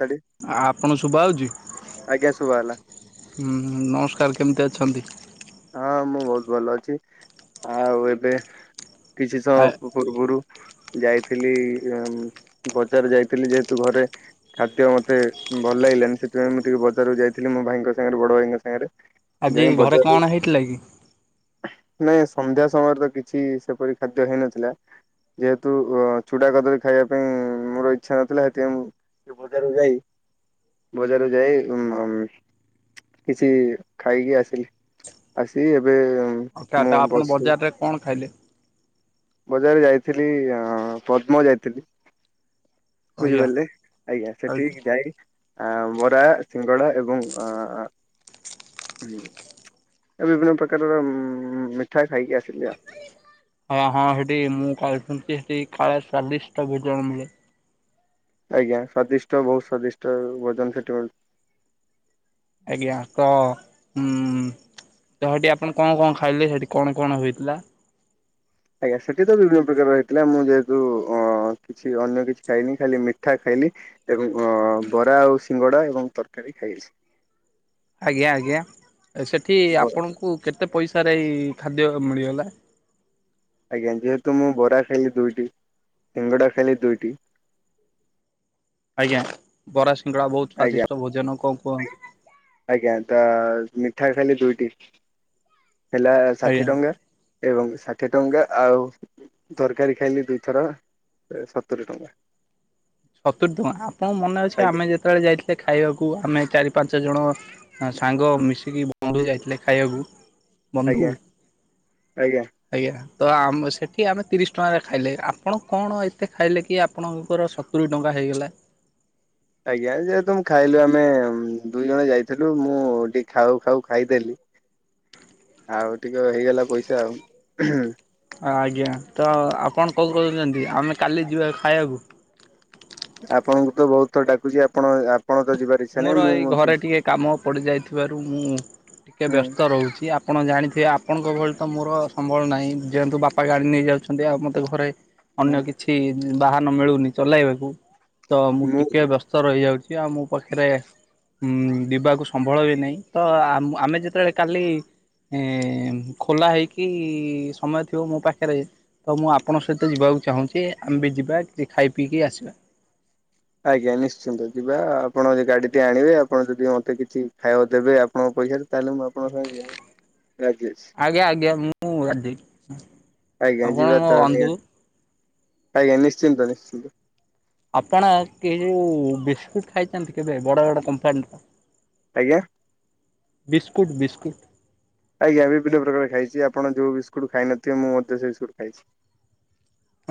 ତାଡି ଆପଣ ଶୁଭାହେଉଛି ଆଜ୍ଞା ଶୁଭାଗଲା ହୁଁ ନମସ୍କାର କେମିତି ଅଛନ୍ତି? ହଁ ମୁଁ ବହୁତ ଭଲ ଅଛି ଆଉ ଏବେ କିଛି ଆ ସମୟ ପୂର୍ବରୁ ଯାଇଥିଲି ବଜାର ଯାଇଥିଲି ଯେହେତୁ ଘରେ। ଖାଦ୍ୟ ମତେ ଭଲ ଲାଗିଲାନି ସେଥିପାଇଁ ମୁଁ ଟିକେ ବଜାରକୁ ଯାଇଥିଲି ମୋ ଭାଇଙ୍କ ସାଙ୍ଗରେ ବଡ ଭାଇଙ୍କ ସାଙ୍ଗରେ। ଆଜି ଯାଇ ଘରେ ବଜାରରୁ କଣ ହେଇଥିଲା କି? ନାଇଁ ସନ୍ଧ୍ୟା ସମୟରେ ତ କିଛି ସେପରି ଖାଦ୍ୟ ହେଇନଥିଲା। ଯେହେତୁ ଚୁଡା କଦଳୀ ଖାଇବା ପାଇଁ ମୋର ଇଚ୍ଛା ନଥିଲା ହେଥିପାଇଁ ମୁଁ। ଟିକେ ବଜାରକୁ ଯାଇ ବଜାର ଯାଇ ଉଁ ହମ୍। କିଛି ଖାଇକି ଆସିଲି। ଆସିକି ଏବେ। ଓକେ ମୁଁ ଆଟା ଆପଣ ବସି ବଜାରରେ କଣ ଖାଇଲେ? ବଜାରରେ ଯାଇଥିଲି ପଦ୍ମ ଯାଇଥିଲି। ଆଜ୍ଞା ବୁଝିପାରିଲେ ଆଜ୍ଞା କାଲି? ସେଠିକି ଯାଇ ଆ ବରା ସିଙ୍ଗଡା ଏବଂ ଅ। ହୁଁ ଏ ବିଭିନ୍ନ ପ୍ରକାରର ଉ ମିଠା ଖାଇକି ଆସିଲି ଆଉ। ଆଜ୍ଞା ହଁ ହେଠି ମୁଁ ଖାଏ ଶୁଣିଛି ହେଠି ଖାଇବା ସ୍ୱାଦିଷ୍ଟ ଭୋଜନ ମିଳେ। ଆଜ୍ଞା ସ୍ଵାଦିଷ୍ଟ ବହୁ ସ୍ଵାଦିଷ୍ଟ ଭଜନ ସେଠି ମିଳେ। ଆଜ୍ଞା ତ ହୁଁ। ତ ହେଠି ଆପଣ କଣ କଣ ଖାଇଲେ ହେଠି କଣ କଣ ହୋଇଥିଲା? ଆଜ୍ଞା ସେଠି ତ ବିଭିନ୍ନ ପ୍ରକାର ହେଇଥିଲା ମୁଁ ଯେହେତୁ ଅଁ। କିଛି ଅନ୍ୟ କିଛି ଖାଇନି ଖାଲି ମିଠା ଖାଇଲି। ଏବଂ ଅ ବରା ଆଉ ସିଙ୍ଗଡା ଏବଂ ତରକାରୀ ଖାଇଲି। ଆଜ୍ଞା ଆଜ୍ଞା ସେଠି ଆପଣଙ୍କୁ କେତେ ପଇସାରେ ଏଇ ଖାଦ୍ୟ ମିଳିଗଲା? ଆଜ୍ଞା ଯେହେତୁ ମୁଁ ବରା ଖାଇଲି ଦୁଇଟି ସିଙ୍ଗଡା ଖାଇଲି ଦୁଇଟି। ଆଜ୍ଞା ବରା ସିଙ୍ଗଡ଼ା ବହୁତ ଆଜ୍ଞା ସ୍ଵାଦିଷ୍ଟ ଭୋଜନ ଆଉ କଣ କୁହ? ଆଜ୍ଞା ତା ମିଠା ଖାଇଲି ଦୁଇଟି ହେଲା ଆଜ୍ଞା। ଷାଠିଏ ଟଙ୍କା। ଏବଂ ଷାଠିଏ ଟଙ୍କା ଆଉ। ତରକାରୀ ଖାଇଲି ଦୁଇଥର ଏ ସତୁରି ଟଙ୍କା। ସତୁରି ଟଙ୍କା ଆପଣଙ୍କ ମନେ ଅଛି ଆଜ୍ଞା ଆମେ ଯେତେବେଳେ ଯାଇଥିଲେ ଖାଇବାକୁ ଆମେ ଚାରି ପାଞ୍ଚ ଜଣ। ଆ ସାଙ୍ଗ ମିଶିକି ବନ୍ଧୁ ଯାଇଥିଲେ ଖାଇବାକୁ। ବନ୍ଧୁ ଆଜ୍ଞା ଆଜ୍ଞା ଆଜ୍ଞା। ତ ଆମେ ସେଠି ଆମେ ତିରିଶ ଟଙ୍କାରେ ଖାଇଲେ ଆପଣ କଣ ଏତେ ଖାଇଲେ କି ଆପଣଙ୍କର ସ ତୁରି ଟଙ୍କା ହୋଇଗଲା। ଆଜ୍ଞା ଯେହେତୁ ଖାଇଲୁ ଆମେ ଦୁଇ ଜଣ ଯାଇଥିଲୁ ମୁଁ ଟିକେ ଖାଉ ଖାଉ ଖାଇଦେଲି। [inaudible] ଆଉ ଟିକେ ହେଇଗଲା ପଇସା ଆଉ। ଆଜ୍ଞା ତ ଆପଣ କଣ କହୁଛନ୍ତି ଆମେ କାଲି ଯିବା ଖାଇବାକୁ? ଆପଣଙ୍କୁ ତ ବହୁତ ଥର ଡାକୁଚି ଆପଣ ଆପଣ ତ ଯିବା ମୋର ଏଇ ଘରେ ଟିକେ କାମ ପଡ଼ିଯାଇଥିବାରୁ ମୁଁ ଟିକେ ବ୍ୟସ୍ତ ହୁଁ ରହୁଛି ଆପ ପଣ ଜାଣିଥିବେ ଆପଣଙ୍କ ଭଳି ତ ମୋର ସମ୍ବଳ ନାଇଁ ଯେହେତୁ ବାପା ଗାଡ଼ି ନେଇଯାଉଛନ୍ତି ଆଉ ମୋତେ ଘରେ ଅନ୍ୟ କିଛି ବାହନ ମିଳୁନି ଚଲାଇବାକୁ ତ ମୁଁ ଟିକେ ବ୍ୟସ୍ତ ସ ରହିଯାଉଚି ଆଉ ମୋ ପାଖେରେ ଉଁ ଡ଼ିବାକୁ ସମ୍ବଳ ବି ନାଇଁ ତ ଆମ ଆମେ ଯେତେବେଳେ କାଲି ଏଁ ଏଁ ମ୍ ଖୋଲା ହେଇକି ଇ ଇ ସମୟ ଥିବ ମୋ ପାଖେରେ ତ ମୁଁ ଆପଣଙ୍କ ସହିତ ଯିବାକୁ ଚାହୁଁଚି ଆମ୍ଭେ ଯିବା କିଛି ଖାଇ ପିଇକି ଆସିବା। ଆଜ୍ଞା ନିଶ୍ଚିନ୍ତ ଯିବା ଆପଣ ଯେ ଗାଡ଼ି ଟିଏ ଆଣିବେ ଆପଣ ଯଦି ମୋତେ କିଛି ଖାଇବାକୁ ଦେବେ ଆପଣଙ୍କ ପଇସାରୁ। ତାହେଲେ ମୁଁ ଆପଣଙ୍କ ସାଙ୍ଗେ ଯିବାକୁ ରାଜି ଅଛି। ଆଜ୍ଞା ଆଜ୍ଞା ମୁଁ ରାଜି ଆଜ୍ଞା ଆପଣ ଯିବା ମୋ ତାହେଲେ ବନ୍ଧୁ। ଆଜ୍ଞା ନିଶ୍ଚିନ୍ତ ନିଶ୍ଚିନ୍ତ। ଆପଣ କି ହେ ଯୋଉ ବିସ୍କୁଟ ଖାଇଚନ୍ତି କେବେ ବଡ଼ ବଡ଼ କମ୍ପାନୀର? ଆଜ୍ଞା। Biscuit biscuit. ଆଜ୍ଞା ବିଭିନ୍ନ ପ୍ରକାର ଖାଇଚି ଆପଣ ଯୋଉ ବିସ୍କୁଟ ଖାଇନଥିବେ ମୁଁ ମଧ୍ୟ ସେ ବିସ୍କୁଟ ଖାଇଛି।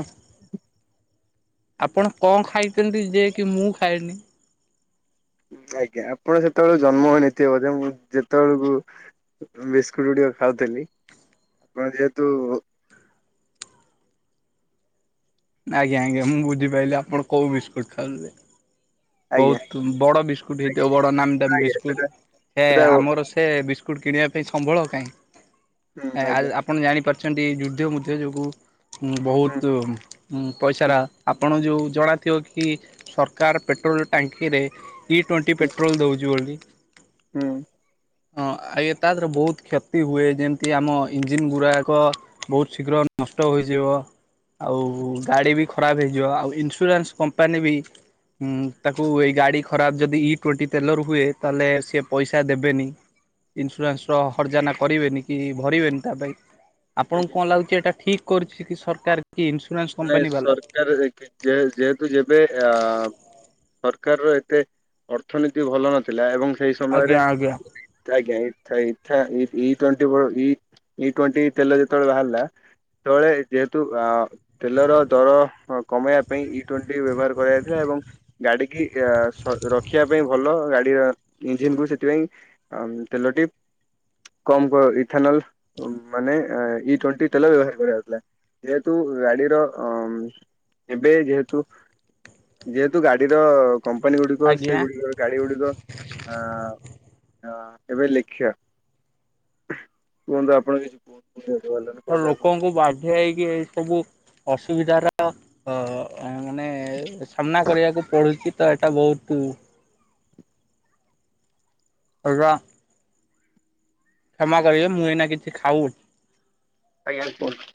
ହଁ ଆପଣ କଣ ଖାଇଚନ୍ତି ଯେ କି ମୁଁ ଖାଏନି? ଆଜ୍ଞା ଆପଣ ସେତବଳେ ଜନ୍ମ ହଇନଥିବେ ବୋଧେ ମୁଁ ଯେତବଳକୁ ଉଁ ବିସ୍କୁଟ ଗୁଡ଼ିକ ଖାଉଥିଲି ଆପଣ ଯେହେତୁ ଆଜ୍ଞା ଆଜ୍ଞା ମୁଁ ବୁଝିପାଇଲି ଆପଣ କଉ ବିସ୍କୁଟ ଖାଉଥୁଲେ। ଆଜ୍ଞା ବହୁତ ବଡ଼ ବିସ୍କୁଟ୍ ହେଇଥିବ ବଡ଼ ନାମ ଦାମ୍ ଆଜ୍ଞା ବିସ୍କୁଟ୍ ସେଟା ହେ ସେଟା ହୁଁ ଆମର ସେ ବିସ୍କ କୁଟ୍ କିଣିବା ପାଇଁ ସମ୍ବଳ କାଇଁ ଏଁ ଆ ଆଜ୍ଞା ଆପଣ ଜାଣିପାରୁଚନ୍ତି ଯୁଦ୍ଧ ମୁଦ୍ଧ ଯୋଗୁ ହୁଁ ବହୁତୁ ଉଁ ପଇସାରା ଆପଣ ଯୋଉ ଜଣାଥିବ କି ସରକାର ପେଟ୍ରୋଲ୍ ଟାଙ୍କିରେ ଇ ଟୋଣ୍ଟି ହୁଁ ପେଟ୍ରୋଲ୍ ଦଉଚି ବୋଲି। ହୁଁ। ହଁ ଆ ଏ ତା ଦେହରେ ବହୁତ କ୍ଷତି ହୁଏ ଯେମତି ଆମ ଇଞ୍ଜିିନ ଗୁରାକ ବହୁତ ଶୀଘ୍ର ନଷ୍ଟ ହୋଇଯିବ। ଆଉ ଗାଡ଼ି ବି ଖରାପ ହେଇଯିବ ଆଉ ଇନ୍ସୁରାନ୍ସ କମ୍ପାନୀ ବି ହୁଁ ତାକୁ ଏଇ ଗାଡ଼ି ଖରାପ ଯଦି ଇ ଟ୍ୱେଣ୍ଟି ତେଲରୁ ହୁଏ ତାହେଲେ ସିଏ ପଇସା ଦେବେନି। ହୁଁ। ଇନ୍ସୁରାନ୍ସ ର ହର୍ଜନା କରିବେନି କି ଭରିବେନି ତା ପାଇଁ ଆଜ୍ଞା ଆପଣଙ୍କୁ କଣ ଲାଗୁଚି କି ଏଟା ଠିକ କରିଛି କି ସରକାର କି ଇନ୍ସୁରାନ୍ସ ନାଇଁ କମ୍ପାନୀ ବାଲା? ସରକାର ଯେ ଯେହେତୁ ଯେବେ ଏ ଆ ଆ ସରକାରର ଏତେ ଅର୍ଥନୀତି ଭଲ ନଥିଲା ଏବଂ ସେଇ ଆଜ୍ଞା ସମୟରେ ଆଜ୍ଞା। ତା ଆଜ୍ଞା ଇଥା ଇଥା ଇ ଇ ଟ୍ୱେଣ୍ଟି ବଳୁ ଇ ଇ ଟ୍ୱେଣ୍ଟି ତେଲ ଯେତବଳେ ବାହାରିଲା ସେତବଳେ ଯେହେତୁ ଆ ଆ ତେଲର ଦର କମେଇବା ପାଇଁ ଇ ଟ୍ୱେଣ୍ଟି ବ୍ୟବହାର କରାଯାଇଥିଲା ଏବଂ ଗାଡ଼ି କି ୟ ସ ରଖିବା ପାଇଁ ଭଲ ଗାଡ଼ିର ଇଞ୍ଜିନ୍ କୁ ସେଥିପାଇଁ ଆମ୍ ତେଲଟି କମ୍ କର ଇଥାନଲ ମାନେ ଇ ଟ୍ୱେଣ୍ଟି ତେଲ ବ୍ୟବହାର କରା ଯାଉଥିଲା। ଯେହେତୁ ଗାଡ଼ିର ଅଂ ଏବେ ଯେହେତୁ ଯେହେତୁ ଗାଡ଼ିର କମ୍ପାନୀ ଗୁଡ଼ିକ ଆଜ୍ଞା। ସେଗୁଡ଼ିକ ଗାଡ଼ି ଗୁଡ଼ିକ ଅ ଅଁ ଏବେ ଲେଖିବା କୁହନ୍ତୁ ଆପଣ କିଛି କୁହ ସେଇ ଯୋଗୁ ବାହାରଲାନି। ତ ଲୋକଙ୍କୁ ବାଧ୍ୟ ହେଇକି ଏଇସବୁ ଅସୁବିଧାର ଅ ଆ ମାନେ ସାମ୍ନା କରିବାକୁ ପଡ଼ୁଛି ତ ଏଟା ବହୁତୁ [inaudible] କ୍ଷମା କରିବେ ମୁଁ ଏଇନା କିଛି ଖାଉଚ୍ ଆଜ୍ଞା କୁହନ୍ତ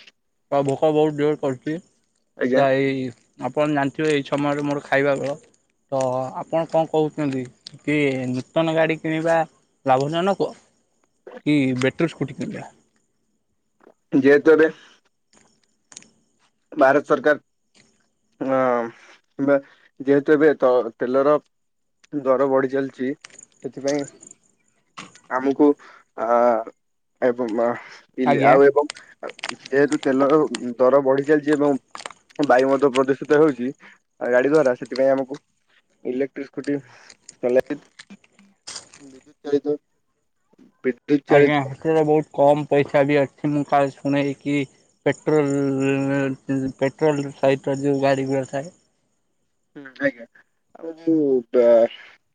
ତ ଭୋକ ବହୁତ୍ ଜୋର୍ କରୁଛି ଆଜ୍ଞା ତ ଏଇ ଆପଣ ଜାଣିଥିବେ ଏଇ ଛମୟରେ ମୋର ଖାଇବା ବେଳ ତ ଆପଣ କଣ କହୁଛନ୍ତି? କି ନୂତନ ଗାଡ଼ି କିଣିବା ଲାଭଜନକ? କି ବେଟ୍ରି ସ୍କୁଟିି କିଣିଆ? ଯେହେତୁ ଏବେ ଭାରତ ସରକାର୍ ହଁ ଯେହେତୁ ଏବେ ତ ତେଲର ଦର ବଢି ଚାଲିଚି ସେଥିପାଇଁ ଆମକୁ ଆଏବଂ ମା ଇଲେ ଆଜ୍ଞା ଆଉ ଏବଂ ଯେହେତୁ ତେଲର ଦର ବଢି ଚାଲିଚି ଏବଂ ବାୟୁ ମଧ୍ୟ ପ୍ରଦୂଷିତ ହେଉଚି ଗାଡି ଦ୍ଵାରା ସେଥିପାଇଁ ଆମକୁ ଇଲେକ୍ଟ୍ରିକ ସ୍କୁଟି ଚଲେଇବା ବିଦ୍ୟୁତ୍ ଚାଳିତ ଵିଦ୍ ଆଜ୍ଞା ସେଥିରେ ବହୁତ କମ୍ ପଇସା ବି ଆସିଚି ମୁଁ କାଲି ଶୁଣିଲିକି ପେଟ୍ରୋଲ୍ ରେ ପେଟ୍ରୋଲ୍ ସହିତ ଯୋଉ ଗାଡ଼ି ଗୁଡ଼ା ଥାଏ। ହୁଁ ଆଜ୍ଞା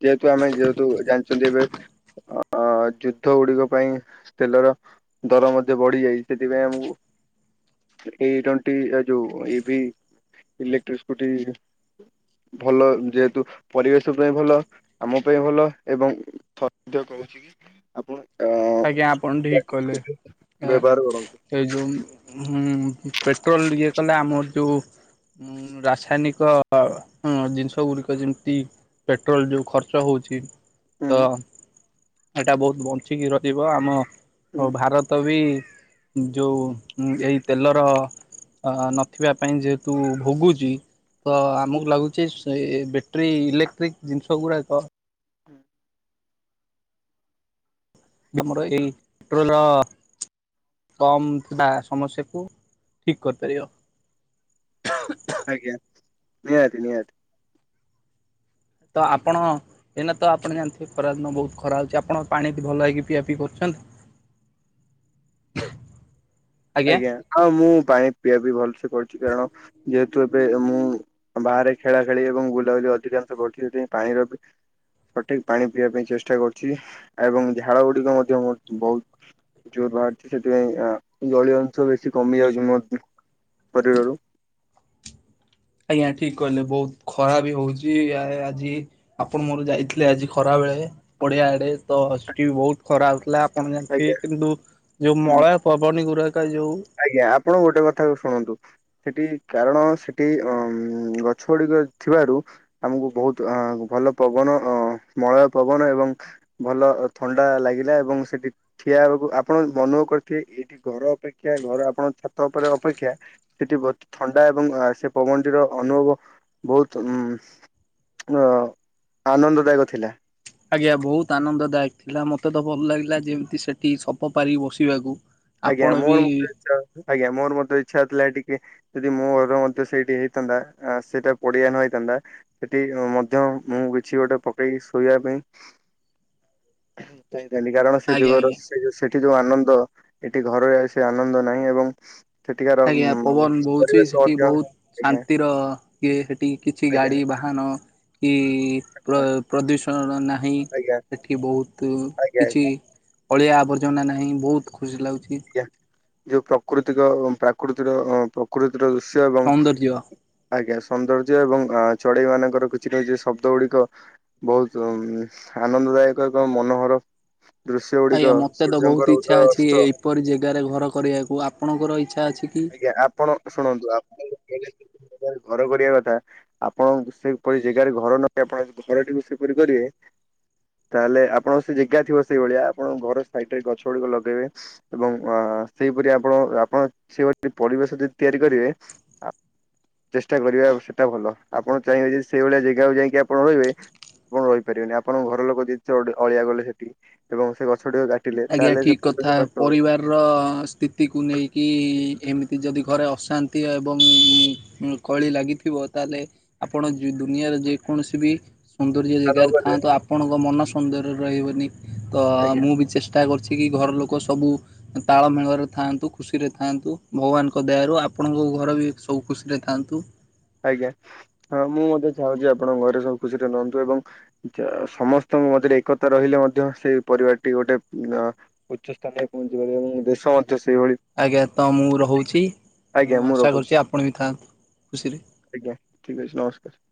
[inaudible] ଯେହେତୁ ଆମେ ଯେହେତୁ ଜାଣିଚନ୍ତି ଏବେ ଅ ଯୁଦ୍ଧ ଗୁଡିକ ପାଇଁ ତେଲର ଦର ମଧ୍ୟ ବଢି ଯାଇଚି ସେଥିପାଇଁ ଆମକୁ ଏ ଟୋଣ୍ଟି ଏ ଯୋଉ ଏବି ଇଲେକ୍ଟ୍ରି ସ୍କୁଟି। ଭଲ ଯେହେତୁ ପରିବେଶ ପାଇଁ ଭଲ ଆମ ପାଇଁ ଭଲ ଏବଂ [inaudible] କହୁଚି କି ଆପଣ ଅ ଆଜ୍ଞା ଆପଣ ଠିକ୍ କଲେ ଆଁ। ବ୍ୟବହାର କରନ୍ତୁ। ସେ ଯୋଉ [inaudible] ଇଏ କଲେଆମର ଯୋଉ ଉଁ ରାସାୟନିକ ଜିନିଷ ଗୁଡିକ ଯେମିତି ପେଟ୍ରୋଲ ଯୋଉ ଖର୍ଚ୍ଚ ହଉଚି। ହୁଁ ତ ଏଇଟା ବହୁତ ବଞ୍ଚିକି ରହିବ ଆମ ହୁଁ ଭାରତ ତ ବି ଯୋଉ ଏଇ ତେଲର ନଥିବା ପାଇଁ ଯେହେତୁ ଭୋଗୁଚି। ତ ଆମକୁ ଲାଗୁଚି ସ ବ୍ୟାଟେରୀ ଇଲେକ୍ଟ୍ରିକ୍ ଜିନିଷ ଗୁଡାକ ହୁଁ। ଆମର ଏଲ୍ ଟ୍ରୋଲ କମ୍ ଥିବା ସମସ୍ୟାକୁ ଠିକ୍ କରିପାରିବ। ଆଜ୍ଞା ନିହାତି ନିହାତି। ତ ଆପଣ ଏଇନା ତ ଆପଣ ଜାଣିଥିବେ ଖରାଦିନ ବହୁତ ଖରା ହଉଚି ଆପଣ ପାଣି ଟି ଭଲ ଭାଇକି ପିଆ ପିଇ କରୁଚନ୍ତି? [inaudible] ଆଜ୍ଞା ହଁ ମୁଁ ପାଣି ପିଆ ପିଇ ଭଲସେ କରୁଚି କାରଣ ଯେହେତୁ ଏବେ ମୁଁ ବାହାରେ ଖେଳା ଖେଳି ଏବଂ ବୁଲାବୁଲି ଅଧିକାଂଶ କରୁଚି ସେଥିପାଇଁ ପାଣିର ବି ସଠିକ୍ ପାଣି ପିଇବା ପାଇଁ ଚେଷ୍ଟା କରୁଚି ଏବଂ ଝାଳ ଗୁଡିକ ମଧ୍ୟ ମୋ ବହୁତ୍ ଜୋର୍ ବାହାରୁଚି ସେଥିପାଇଁ ଆ ଜଳୀୟ ଅଂଶ ବେଶୀ କମି ଯାଉଚି ମୋ ଶରୀରରୁ। ଆଜ୍ଞା ଠିକ୍ କଇଲେ ବହୁତ ଖରା ବି ହଉଚି ଆଉ ଆଜି ଆପଣ ମୋର ଯାଇଥିଲେ ଆଜି ଖରା ବେଳେ ପଡିଆ ଆଡେ ତ ସେଠି ବହୁତ ଖରା ହଉଥିଲା। ଆପଣ ଜାଣିଥିବେ ଆଜ୍ଞା କିନ୍ତୁ ଯୋଉ ହୁଁ। ମଳୟ ପବନ ଗୁୁରାକ ଯୋଉ ଆଜ୍ଞା ଆପଣ ଗୋଟେ କଥା କୁ ଶୁଣନ୍ତୁ। ସେଠି କାରଣ ସେଠି ଅ ଗଛ ଗୁଡିକ ଥିବାରୁ। ଆମକୁ ବହୁତ ଅ ଭଲ ପବନ ଅ ମଳୟ ପବନ ଏବଂ ଭଲ ଥଣ୍ଡା ଲାଗିଲା ଏବଂ ସେଠି ଠିଆ ହେବାକୁ ଆପଣ ଅନୁଭବ କରିଥିବେ ଏଇଠି ଘର ଅପେକ୍ଷା ଅପେକ୍ଷା ଘର ଆପଣଙ୍କ ଛାତ ଉପରେ ଅପେକ୍ଷା। ସେଠି ବହୁତ ଥଣ୍ଡା ଏବଂ ସେ ପବନଟିର ଅନୁଭବ ବହୁତ ଉଁ ଅ ଆନନ୍ଦଦାୟକ ଥିଲା। ଆଜ୍ଞା ବହୁତ ଆନନ୍ଦଦାୟକ ଥିଲା ମୋତେ ତ ଭଲ ଲାଗିଲା ଯେମିତି ସେଠି ସପ ପାରିକି ବସିବାକୁ। ଆଜ୍ଞା ଆପଣ ବି ମୋର ମୋର ମଧ୍ୟ୍ୟ ଇଛା ଆଜ୍ଞା ମୋର ମୋର ମଧ୍ୟ୍ୟ ଇଚ୍ଛା ହଉଥିଲା ଟିକେ। ଯଦି ମୋ ଘର ମଧ୍ୟ୍ୟ ସେଇଠି ହେଇଥାନ୍ତା ସେଇଟା ପଡିଆ ନ ହେଇଥାନ୍ତା। ସେଠି ମଧ୍ୟ୍ୟ ମୁଁ କିଛି ଗୋଟେ ପକେଇି ଶୋଇବା ପାଇଁ। ପାଇଥାନି କାରଣ ସେ ଆଜ୍ଞା ଯୁଗର ଆଜ୍ଞା। ସେ ଯୋଉ ସେଠି ଯୋଉ ଆନନ୍ଦ। ଏଠି ଘରରେ ସେ ଆନନ୍ଦ ନାହିଁ ଏବଂ ସେଠିକାର ଉ ଆଜ୍ଞା ପବନ ବହୁଛି ପରିବେଶ ସେଠି ମଧ୍ୟ ଆଜ୍ଞା ବହୁତ ଶାନ୍ତିର ଇଏ ସେଠି କିଛି ଆଜ୍ଞା ଗାଡି ବା ଧାନ କି ପ୍ର ପ୍ରଦୂଷଣ ନାହିଁ ଆଜ୍ଞା ଏଠି ବହୁତ ଆଜ୍ଞା ଆଜ୍ଞା କିଛି। ଅଳିଆ ଆବର୍ଜନା ନାହିଁ ବହୁତ ଖୁସି ଲାଗୁଛି। ଆଜ୍ଞ ଯୋଉ ପ୍ରକୃତିକ ପ୍ରାକୃତିର ପ୍ରକୃତିର ଦୃଶ୍ୟ ଏବଂ ସୌନ୍ଦର୍ଯ୍ୟ ଆଜ୍ଞା ସୌନ୍ଦର୍ଯ୍ୟ ଏବଂ ଚଢେଇ ମାନଙ୍କର କିଛି ନା କିଛି ଶବ୍ଦ ଗୁଡିକ। ବହୁତ ଆନନ୍ଦଦାୟକ ଏକ ମନୋହର। ଦୃଶ୍ୟ ଗୁଡିକ ଆଜ୍ଞା ମତେ ତ ସୂର୍ଯ୍ୟଙ୍କର ବହୁତ ଉଦୟ ଇଚ୍ଛା ଅଛି ଅସ୍ତ ଏପରି ଜାଗାରେ ଘର କରିବାକୁ ଆପଣଙ୍କର ଇଚ୍ଛା ଅଛି କି? ଆଜ୍ଞା ଆପଣ ଶୁଣନ୍ତୁ ଆପଣ ଘର କରିବା କଥା। ଆପଣ ସେପରି ଜାଗାରେ ଘର ନ ଆପଣ ଘରଟିକୁ ସେପରି କରିବେ। ତାହେଲେ ଆପଣଙ୍କ ସେ ଜାଗା ଥିବ ସେଇଭଳିଆ ଆପଣ ଘର ସାଇଡରେ ଗଛ ଗୁଡିକ ଲଗେଇବେ। ଏବଂ ସେହିପରି ଆପଣ ଆପଣ ସେ ପରିବେଶ ଯଦି ତିଆରି କରିବେ ଚେଷ୍ଟା କରିବା ସେଟା ଭଲ ଆପଣ ଚାହିଁବେ ଯଦି ସେଇଭଳିଆ ଜାଗାକୁ ଯାଇକି ଆପଣ ରହିବେ। ଆପଣ ରହିପାରିବେନି ଆପଣଙ୍କ ଘର ଲୋକ ଯେ ଅଳିଆ ଗଲେ ସେଠି ଏବଂ ସେ ଗଛ ଟିକେ ଗା ତାହେଲେ ସେ କଷ୍ଟ ହବ। ର ସ୍ଥିତିକୁ ନେଇକି ଏମିତି ଯଦି ଘରେ ଅଶାନ୍ତି ଏବଂ କଳି ଲାଗିଥିବ ତାହେଲେ ଆପଣ ଦୁନିଆରେ ଯେକୌଣସି ବି ସନ୍ଦର୍ଯ୍ୟ ତା ନ ଜାଗାରେ କଲେ ଥାନ୍ତୁ ଆପଣଙ୍କ ମନ ସୁନ୍ଦର ରହିବନି ତ ଆଜ୍ଞା ମୁଁ ବି ଚେଷ୍ଟା ଚେଷ୍ଟା କରୁଛି କି ଘର ଲୋକ ସବୁ ତାଳମେଳରେ ଥାଆନ୍ତୁ। ଖୁସିରେ ଥାଆନ୍ତୁ ଭଗବାନଙ୍କ ଦୟାରୁ ଆପଣଙ୍କ ଘର ବି ସବୁ ଖୁସିରେ ଥାଆନ୍ତୁ। ଆଜ୍ଞା ହଁ ମୁଁ ମଧ୍ୟତେ ଚାହୁଁଛି ଆପଣଙ୍କ ଘରେ ସବୁ ଖୁସିରେ ରୁହନ୍ତୁ ଏବଂ ସମସ୍ତଙ୍କ ମଧ୍ୟରେ ଏକତା ରହିଲେ ମଧ୍ୟ ସେଇ ପରିବାରଟି ଗୋଟେ ଅ ଉଚ୍ଚ ସ୍ଥାନରେ ପହଞ୍ଚିପାରିବନି ଏବଂ ଦେଶ ମଧ୍ୟ ସେଇଭଳି। ଆଜ୍ଞା ତ ମୁଁ ରହୁଛି ଆଜ୍ଞା ମୁଁ ଆଶା ରଖୁଛି କରୁଛି ଆପଣ ବି ଥାଆନ୍ତୁ ଖୁସିରେ। ଆଜ୍ଞା ଠିକ୍ ଅଛି ନମସ୍କାର।